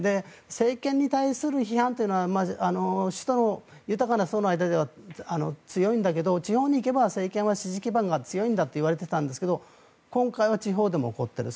政権に対する批判というのは首都の豊かな層の間では強いんだけど地方に行けば政権は支持基盤が強いんだといわれていたんですが今回は地方でも起こっている。